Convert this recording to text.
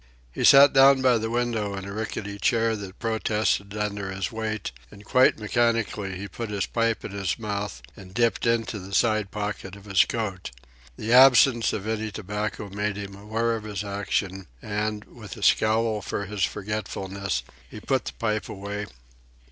He sat down by the window on a rickety chair that protested under his weight, and quite mechanically he put his pipe in his mouth and dipped into the side pocket of his coat. The absence of any tobacco made him aware of his action, and, with a scowl for his forgetfulness, he put the pipe away.